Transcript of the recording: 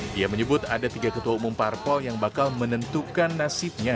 dia menyebut ada tiga ketua umum parpol yang bakal menentukan nasibnya